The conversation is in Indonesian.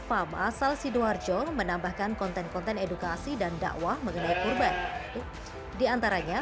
farm asal sidoarjo menambahkan konten konten edukasi dan dakwah mengenai kurban diantaranya